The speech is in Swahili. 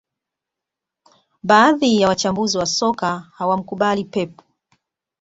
Baadhi ya wachambuzi wa soka hawamkubali Pep